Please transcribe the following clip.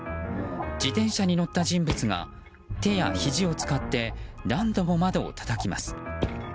自転車に乗った人物が手や、ひじを使って何度も窓をたたきます。